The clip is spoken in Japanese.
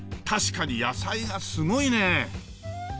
確かに野菜がすごいねえ！